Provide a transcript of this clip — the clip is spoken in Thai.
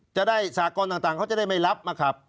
จะได้สาธารณะต่างเขาจะจะไม่รับมาขับ